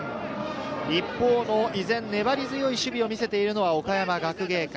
一方の依然粘り強い守備を見せているのは岡山学芸館。